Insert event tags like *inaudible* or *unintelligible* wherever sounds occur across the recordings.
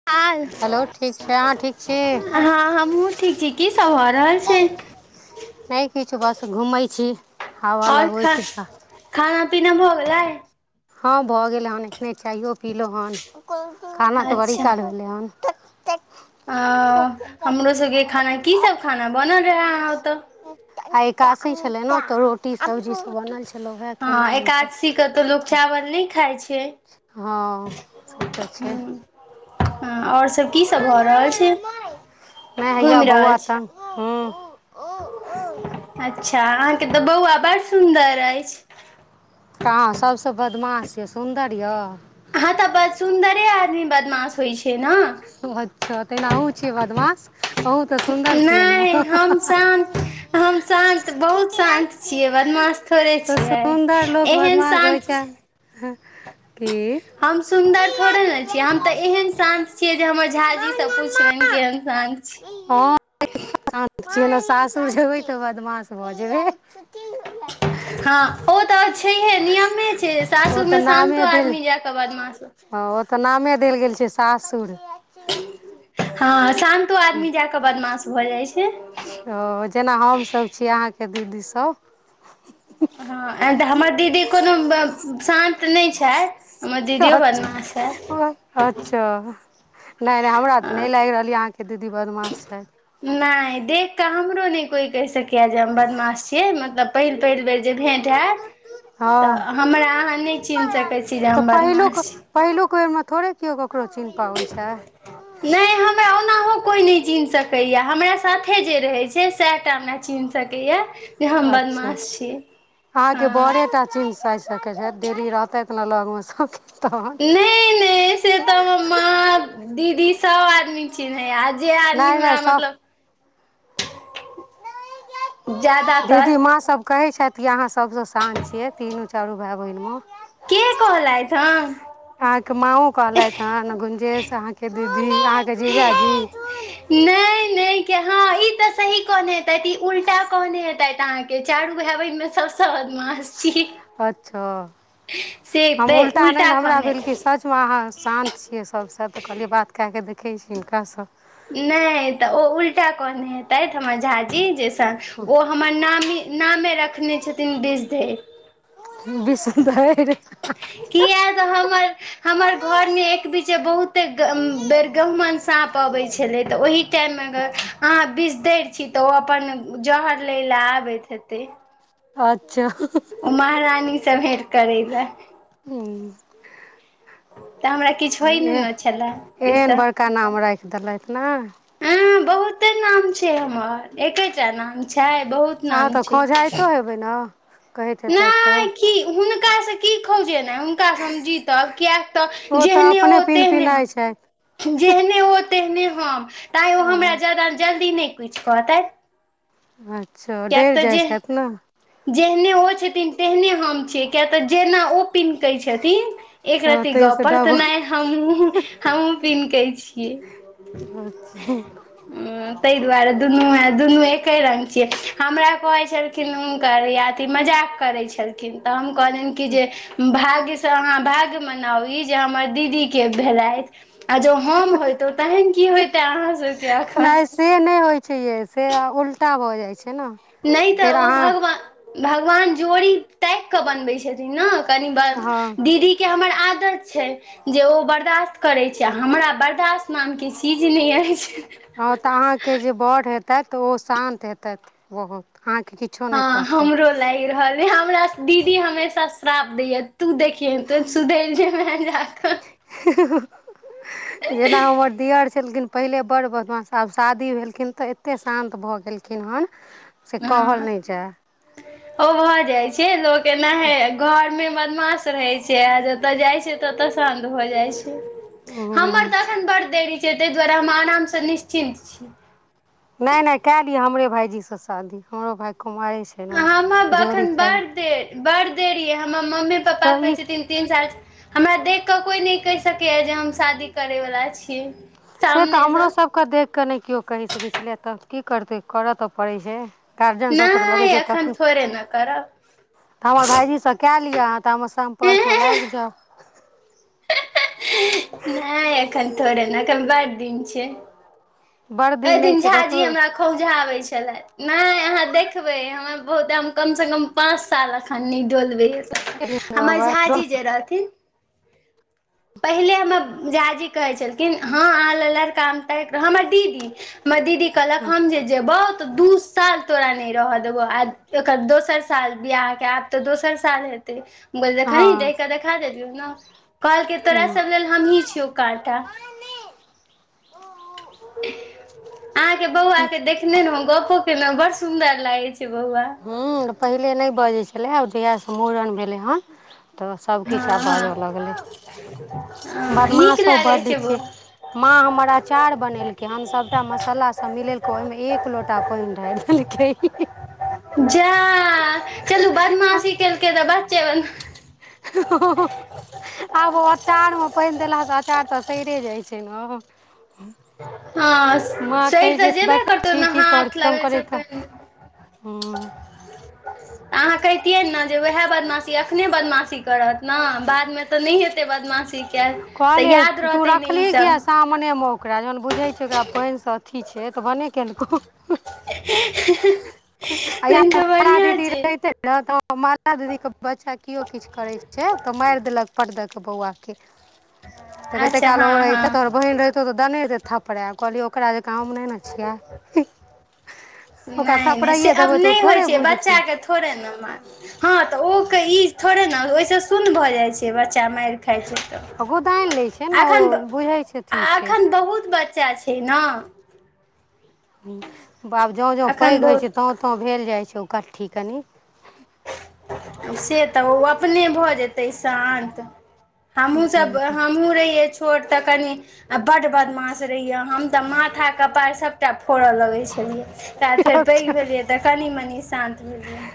*inaudible* Hello ठीक छै अहाँ ठीक छी हँ हमहु ठीक छी की सब भ नऐ किछु बस घुमै छी हवा आओर लगबै खा छी खाना पीना भऽ गेलै हँ भऽ गेल हन एखने चायओ पीलो हन खाना तऽ बड़ी अच्छा काल भेलै हन अ हमरो सबके खाना की सब खाना बनल रहे अहां ओतऽ आए एकादसी छले ने तऽ रोटी सब्जी सब बनल छल हँ एकादशी के तऽ लोग चावल नए खाए छै हँ से तऽ छै ह और सब की सब भऽ रहल छै नहि घुईम हैया रहल छी *inaudible* *unintelligible* अच्छ अहाँके तऽ बौआ बड़ सुन्दर अइछ कहाँ सभसँ बदमाश यऽ सुन्दर य ह तऽ बड़ सुंदर आदमी बदमाश होइ छै न अच्छ तेना आहु छियै बदमाश ओहु तऽ सुन्दर छियै न नहि हं हं हम हं शान्त हम शान्त बहुत शांत छियै बदमाास थोड़े तऽ छियै सुन्दर लोक एहन बदमाश होइ शांत *inaudible* हम सुंदर थोड़े ने छिए हम तऽ एहन शांत छियै जे हमर झा जी से पुछबेन केहन शांत ह *inaudible* *inaudible* शांत छिए न सासुर जेबै तऽ बदमाश भऽ जेबै हँ ओ तऽर छैहे नियमे छै ओ सासुर तऽ मे नामे शांतो देल आदमी जाय कऽ बदमाश हँ ओ तऽ नामे देल गेल छै सासुर हँ शांतो आदमी जा कऽ बदमाश भऽ जाइ छै ओ जेना हम सभ छी अहाँके दीदी सब हँ ऐं तऽ हमर दीदी कोनो शान्त नइ छथि हमर दीदीओ अच्छा बादमास हय। अच्छा, नइ-नइ हमरा तॅं हँ नहि लागि रहलयए अहाँके दीदी बदमाश छथि नइॅं, देखि कऽ हमरो नहि कोइ कहि सकैए जे हम बदमाश छियै मतलब पहिल-पहिल बेर जे भेट हैत हँ तऽ हमरा अहाँ नइॅं चिन्ह सकैत छी जे तऽ हम पहिलुक बदमाश छी। पहिलुक बेरमे थोड़ेक केओ ककरो चिन्ह पाबै छै ओनाहुॅं कोई नहि चिन्ह सकैया हमरा साथे जे रहै छै सएहटा हमरा चिन्ह सकैयाए। अच्छा, अहाँके हँ बरेटा चिन्ह सकैत छथि। डेली रहतथि ने लऽगमे सुतल तखन नइॅं- नइॅं से तऽ हम माँ, दीदी सब आदमी चिन्हैयए जे आदमी नहि नहि हमरा सभ मतलब जादा दीदी माँ सभ कहै छथि कि अहाँ सभसॅं शान्त छियै तीनू चारू भाइ-बहिनमे के कहलथि हन अहाँके माँओ कहलथि हन, गुंजेश अहाँ के दीदी अहाँके जीजा जी? नहि के हँ ई तऽ सही कहने हेतथि, ई उल्टा कहने हेतथि अहाँके चारू भाइ-बहिनमे सबसँ बदमास छी अच्छा, से हम तऽ उल्टा नहि ने हमरा कहने भेल कि सच अहाँ शान्त छियै सभसँ तॅं कहलियै बात कए कऽ देखै छी हिनकासँ नहि तऽ ओ उल्टा कहने हेतथि, हमर झाजी जे तॅं ओ हमर नामी, नामे रखने छथिन विषधरि विषधरि! किया तऽ हमर हमर घरमे एक बीचे बहुते गं *unintelligible* बेर गहुमन साँप अबैत छलै तॅं ओहि टाइममे अगर अहाँ बिषधरि छी तँ ओ अपन जहर लै लए आबैत हेतै। अच्छा ओ महारानी सॅं भेंट करै लए तऽ हमरा किछु होइ नहि ने छलए ओहिसँ तेॅं नामे राखि देलथि ने! हँ बहुते नाम छै हमर, एकेटा नाम छै, बहुत अहाँ नाम तँ छै खौंझाइतो हेबै ने कहैत हेतैथि तऽ? नहि की हुनकासॅं? की खौझेनाइ? हुनकासॅं हम जीतब? कियक तँ ओ तऽ जेहने अपने ओ पिन तेहने हम पिनाइ छथि जेहने हो तेहने हम तैँ ओ हमरा ज्यादा जल्दी नहि किछु कहतथि अच्छा, किएक डरि तऽ जाइ जे छथि ने! जेहने ओ छथिन तेहने हम छियै, किय तऽ जेना ओ पिनकै छथिन हँ एकरत्ती गप ताहिसँ पर डबल तनाहि हमहूँ, हमहूँ पिन्हकै छियै हॅं हॅं, ताहि दुआरे दुनू, दुनू एके रंग छियै, हमरा कहै छल -खिन हुनका दिया जे मजाक करैत छलखिन तऽ हम कहलियनि कि जे भाग्यसँ अहाँ भाग मनाउ ई जे हमर दीदीके भेलथि आ जँ हम होइतहुँ तहन की होइते अहाँ सभके एखन? नहि से नहि होइत छै यै से उल्टा भऽ जाइत छै ने नहि तऽ फेर ओ अहाँ भगवान, भगवान जोड़ी ताकि कऽ बनबैत छथिन ने कनि हँ दीदीके हमर आदत छै जे ओ बरदाश्त करैत छै आ हमरा बरदाश्त नामके चीज नहि अछि हँ तॅं अहाँकेॅं जे वर हेतथि ओ शान्त हेतथि, बहुत अहाँके किछु हँ हमरो लागि रहल य हमरा दीदी हमेशा श्राप दैय तू देखिएहेन तो सुधैर जेबा जाय कऽ ओकर दियर छलखिन छलखिन पहिले बड़् बदमास आब शादी भेलखिन तऽ एतेक शान्त भऽ गेलखिन हन से कहल हँ नहि जाय ओ भऽ जाइत छै लोक एनाहे घर मे बदमाश रहै छै आ ओतय जाइ छै त ओतय शान्त भऽ जाइ छै जाय हमर तऽ एखन बड् देरी छै ताहि दुआरे हम आरामसँ निश्चिन्त छी नहि नहि कए लिअय हमरे भाायजी से शादी हमरो भाय कुमारे छै ने हमर जोड़ी अखन कए बड़ देर बड़ देरी यै हमर मम्मी पापा तऽ ई कहैत छथिन तीन साल हमरा देख कऽ कोइ नहि कहि सकैए जे हम शादी करैवला छी से तऽ हमरो सभ के देखि कऽ नहि केओ कहि सकैत छलै तऽ की करतै करय तऽ पड़ै छै गार्जियन सबके तऽ नहि लगै छै एखन कखन थोड़े ने करब तऽ हमर भाइजीसँ कए लिअ ताबे सम्पर्कमे लाग नहि जाउ नहि एखन थोड़े ने एखन बड़ दिन छै बड़ ओय नहि दिन छै झाजी देखबै हमरा खौझा आबै छलथि नहि अहाँ देखबै हमरा बहुते हम कमसँ कम पाँच साल अखन नहि डोलबै कते दिन रहबै हमर झा जी जे रहथिन *inaudible* पहिले हमर झाजी कहै छलखिन हँ अहाँ ल लड़का हम तायक हमर दीदी हमर दीदी कहलक हम जे जेबो त दू साल तोरा नै रह देबो आ अकर दोसर साल विहा के आब तऽ दोसर साल हेतै हम हँ कहलियेन रेह कऽ देखा देलयो न कहलकै तोरा हूँ सभ लेल हमही छियौ काँटा *inaudible* अहाँ के बौआ के देखने रहू गपो केनें बड़ सुंन्दर लागे छै बौआ हूँ पहिले नहि बजै छलै आब जहिआ से मूड़न भेलै हँ तऽ सब कुछ हँ आब हँ बाजऽ लगलै हँ नीक बदमाशो लागै बड्ड छै बौआ माँ हमर अचार बनेलकै हम सभटा मसाला सब मिलेलको ओहिमे एक लोटा पैन डैरह देलकै जा चलू बदमाशी केलकै तऽ बच्चे हँ आब ओ अचारमे पैन देलासँ अचार तऽ सैरे जाइ छै ने हँ माँ सड़ि कहै तऽ छै जेबे दखै करतौ छी ने की करै हाथ छाउ हम लगै छै कहलिए पानि हू *unintelligible* अहाँ कहितियै ने जे उएह बदमाशी अखने बदमाशी करत ने बादमे तऽ नहि हेतै बदमाशी किया तऽ याद रहतै ने ई सब मने म ओकरा जहन बुझै छै ओकरा पैन से अथी छै तऽ भने केलको आ या तहन तऽ माला बढ़िआं दीदी छै रहिते तऽ माला दीदीके बच्चा किओ किछ करै छै तऽ मार देलक पटदऽ क बौआके त कते अच्छा काल हँ ओ रहतय हँ त बहिन रहितो तऽ देने रहितै थपड़ै कहलियै ओकरा जेकाँ हम नहि न छियै ओकरा नहि नहि से थपड़ाइए आब देबै तऽ ओ नहि होइ थोड़े छै बुझतै बच्चाके थोड़े ने मारतय हँ तऽ ओ के ई थोड़े ने ओहिस सुन भऽ जाइ छै बच्चा मार खा छै त आ गोदानि लै छै ने ओ अखन बुझै छै अथी छै अखन बहुत बच्चा छै छैना बाब जँ जँ एखन पैघ होइ छै बहुत तौँ तौँ भेल जाइ छै उकट्ठी कनि से तऽ ओ अपने भऽ जेतै शान्त हमहूँ सब हमहुँ रहिय छोट तऽ कनि आ बड़ बदमास रहैए हम तऽ माथा कपार सभटा फोड़य लगै छलियै ता फेर पैग भेलियै तऽ कनि मनि शान्त भेलियै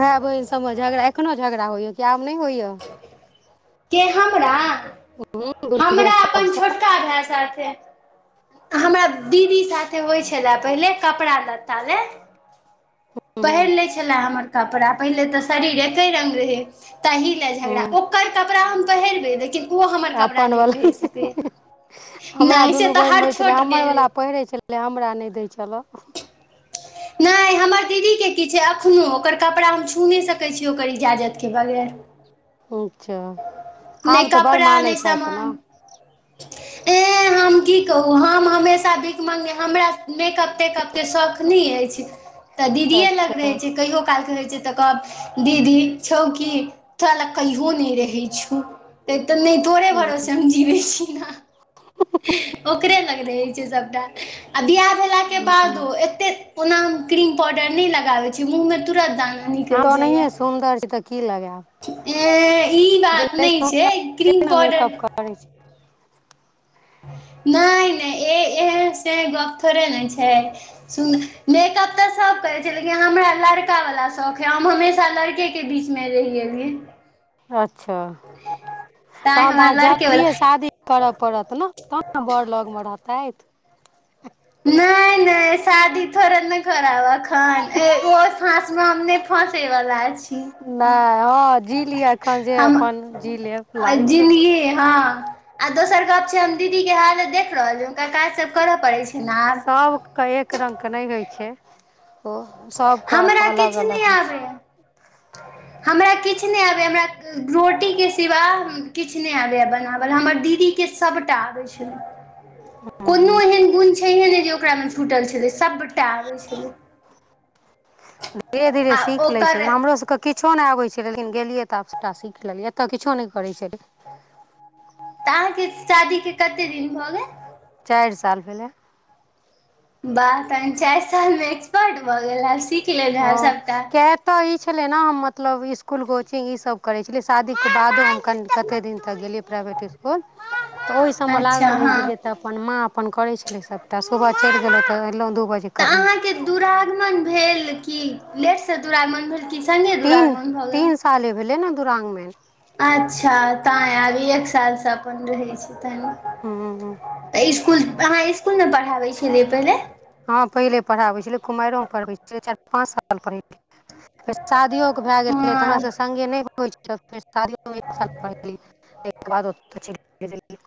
भाई बहिन सभमे झगड़ा एखनो झगड़ा होइया कि आब नहि होइआ के हमरा जे हमरा अपन सबसँ छोटका भाई साथे हमरा दीदी साथे होइ छलै पहिले कपड़ा लत्ता ले पहिर हूँ लै छले हमर कपड़ा पहिनेे तऽ शरीर एके रंग रहै तहि लए झगड़ा हूँ ओकर कपड़ा हम पहिरबै लेकिन ओ हमर तै कपड़ा अपन नहि वला पहिर सकैए *unintelligible* हमरा नहि से दुनू तऽ बहिन हर होइत छलै छोट के हमर वला पहिरै छलै तै हमरा नहि दै छलऽ नाए हमर दीदीके की छै एखनोहु ओकर कपड़ा हम छू नहि सकैत छी ओकर इज्जात के बगैर *unintelligible* नहि आब तऽ बड़ कपड़ा मानै नहि छैथ ने सामान *inaudible* ए हम की कहु हम हमेश भीखमंगे हमरा मेकअप तेकअप के शौख नै अइ तऽ दीदीये लग रहे अच्छा छै कहियो काल कहै छै तऽ कहब दीदी छौ कि तोरा लग कहियो नहि रहै छौ तै नहि तोरे हूँ भरोसे हम जीबै छी न ओकरे लग रहे छै सभटा आ बियाह भेलाके हूँ बदो एते ओना हम क्रीम पाउडर नहि लगाबै छी मुंह मे तुरत दाना आहां निकलि त ओनाहिये स सुंदर छी तऽ की लगायब तै इ जे बात नहि सुन्दर छै छी क्रीम ने पाउडर मेकअप करै छै नाए नाए ए एहन से गप थोरे ने छै सु मेकअप तऽ सभ करैत छै लेकिन हमरा लड़का वला शौख है हम हमेशा लड़के के के बीच मे *unintelligible* अच्छ तैँ तहन हमरा तह जल्दी लड़केवला ए शादी करय पड़त ने तहन ने बड़ लगमे रहतैथ नाए नाए शदी थोरे नहि खराब तखन ऐ ओ फासमे हम नहि फँसैवला छि नाए हँ जी लिए एखन जे अपन जी लेब लाइफ की हाँ आ दोसर गप छै हम दीदी के हालत देख रहलिए हुनका काज सभ करय पड़ैत छै ने आब कै एक रंगके नहि होइ छै ओ सभके हमरा अलग किछु नहि अलग होइ छै आबैए *inaudible* हमरा किछ नहि आबैए हमरा रोटीके सिवा किछ नहि आबैए बनावल हमर दीदी के सभटा आबै छै *inaudible* कोनो हँ एहन गुण छैहे नहि जे ओकराने छुटल छलै सभटा आबै छलै धीरे धीरे आ सीख लै छै ओकर हमरो सबके किछो नहि आबैत छै लेकिन गेलियै तऽ आब सभटा सीख लेलियै एतह किछो नहि करैत छलियै तऽ अहाँके शादीके कते दिन भऽ गेल चार साल भेलै बाह तहन चार सालमे एक्सपर्ट भ गैला सी हँ *unintelligible* तऽ ई छलै ने हम मतलब स्कूल कोचिंग ई सब करै छलियै शादीके बादो कनि कते दिन तक गेलियै प्राइवेट स्कूल तऽ ओहि सबमे अच्छा लागल रहै हँ छलियै तऽ अपन माँ अपन करै छलै सभटा सुबह चलि गेलहुँ तऽ अयलहुँ दू बजे तऽ कहि अहाँके दुरागमन भेल कि लेटसँ दुरागमन भेल कि संगे दुरागमन भऽ गेल हाल मे भेलै ने दुरागमैन अच्छ तैं आब इ एक सालसँ अपन रहै छै तैं हूँ तऽ स्कूल अहाँ स्कूल में पढ़ाबै छलियै पहिले हा पहिले पढ़ावे छलियै कुमारियो मे पढ़बै छैलियै चार पांच साल पढ़लियै फेर शादिओे क भए गेलै तऽ हँ हमरा सभके संगे होइ छै फेर *inaudible* शादियों के एक साल बाद पढ़ेलियै ताहिके बाद ओत चलि गेलियै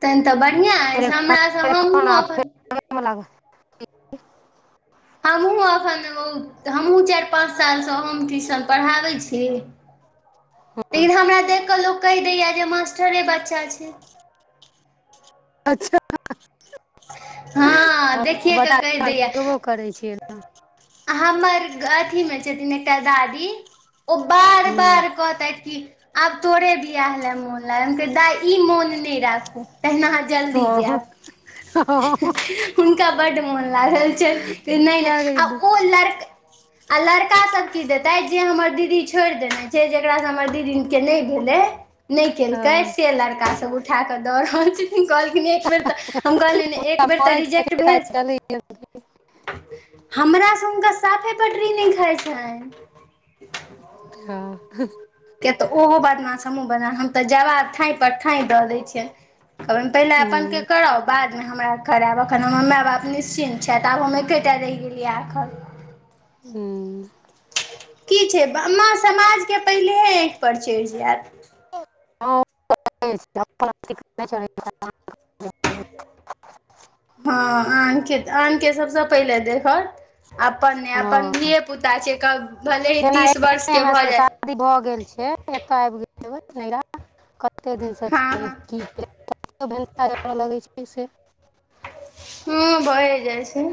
तहन तऽ बढ़िआँ फेर अछि हमरा ' एखन एखन आब *inaudible* फेर उहे मे लागब हमहुं एखन हमहुं चारि पाँच सालसँ होम ट्यूशन पढ़ाबै छी *inaudible* लेकिन हमरा देखि कऽ लोक कहि दैय जे मास्टरे बच्चा छै अच्छा हँ आओ देखिए कऽ बच्चा *inaudible* कहि अहां दैए लगबो करै छियै ने हमर अथीमे छथिन एकटा दादी ओ बार हूँ बार कहतै कि आब तोरे बियाह ले मोन दाई ई मोन नहि राखू तहिन अहाँ जल्दी जायब ह *unintelligible* हुनका बड मन लागल छै नहि किया नहि लड़का की देतथ जे हमर दीदी छोड़ि देना छै जकरासँ हमर दीदीे नहि भेलै नहि केलकै हँ से लड़कासभ उठा कऽ दऽ रहल छथिन कहलखिन एक बेर तऽ ' हम कहलियै ने एक बेर तऽ रिजेक्ट भेल छै हमरासँ हुनका साफे पटरी नहि खाइ छै हा तऽ ओहो बदमाश हमहूँ बद हम तऽ जवाब ठाँंप पर ठाँइ दऽ दै छियनि त अपन पहिल अपन के कर *unintelligible* बादमे हमरा करायब एखन हमर माय बाप निश्चिन्त छथि आब हम एकेटा रहि गेलियै हू की छै मां समाजके पहिलेहे आँखिपर चढ़ि जायब *inaudible* *inaudible* हँ आने कऽ आने सभसँ पहिले देखत अपन ने अपन धियपुता छियै भले ही जेना तीस एखने वर्षके हमरा भऽ सबके जाय शादी भऽ गेल छै एतय आबि गेल नैहरा कते दिनसँ हँ छै हँ भन्सा *inaudible* जड़ऽ लगैत छै से हँ भेर जाइ छै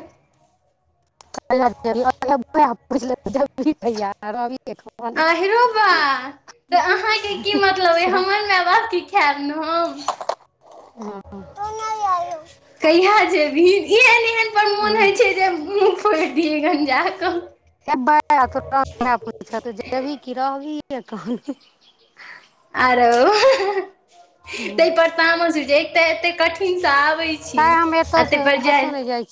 पुछिे जरी खैया रबीके *inaudible* आ हरो बा त अहाँके की मतलब हमर माय बाप की खायब ने हम हा कहिया जेबी एहन एहन पर मोन होइ छै जे मुह दिय गन जाकऽ तो प *inaudible* जेबही किी रहबही तहन आरो ताहि पर तामस एते कठिन से आबे छै तैं हम छी एतयसँ तेय पर कतहु जाइ नहि छी